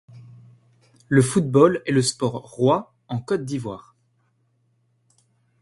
Le football est le sport roi en Côte d'Ivoire.